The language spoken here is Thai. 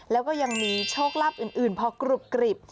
แล้วก็ยังมีโชคลาภอื่นพอกรุบกริบ